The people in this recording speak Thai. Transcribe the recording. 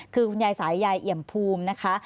คือคุณยายสายยายเอี่ยมภูมินะคะ